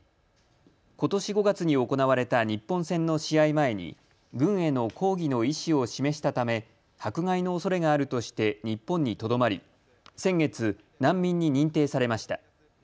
ことし５月に行われた日本戦の試合前に軍への抗議の意思を示したため迫害のおそれがあるとして日本にとどまり、先月、難民に認定されました。